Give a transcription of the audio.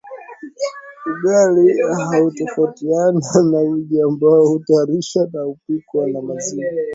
Ugali hutofautiana na uji ambao hutayarishwa na hupikwa na maziwa